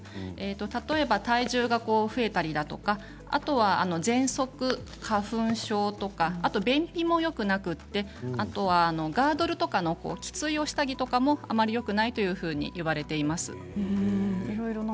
例えば、体重が増えたりだとかあとは、ぜんそく、花粉症とかあと便秘もよくなくてあとはガードルなど、きついお下着とかもあまりよくないと言われています。